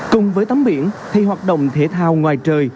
cùng với tắm biển thì hoạt động thể thao ngoài trời